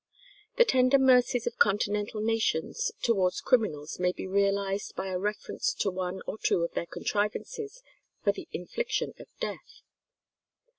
The tender mercies of continental nations towards criminals may be realized by a reference to one or two of their contrivances for the infliction of death.